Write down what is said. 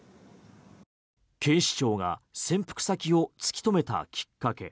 警視庁が潜伏先を突き止めたきっかけ